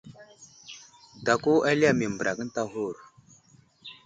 Dako ali yam i mbərak ənta aghur.